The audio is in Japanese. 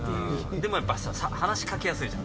でも話しかけやすいじゃん。